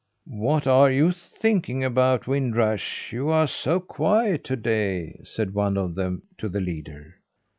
"What are you thinking about, Wind Rush? You are so quiet to day," said one of them to the leader.